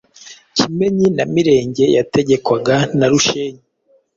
Kimenyi na Mirenge yategekwaga na Rushenyi